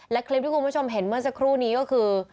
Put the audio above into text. และคลิปที่คุณผู้ชมเห็นเมื่อสักครู่นี้ก็คือ